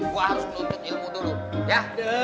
gue harus menuntut ilmu dulu ya